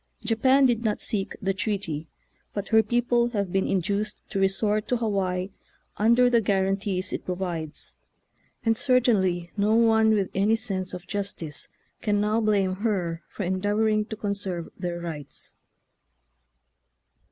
Japan did not seek the treaty, but her people have been induced to resort to Hawaii under the guarantees it provides, and certainly no one with any sense of justice can now blame her for endeavor ing to conserve their rights.